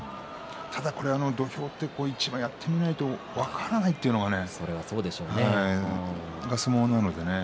ただ土俵は一番やってみないと分からないというのが相撲なのでね。